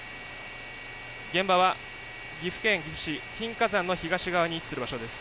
現場は岐阜県岐阜市金華山の東側に位置する場所です。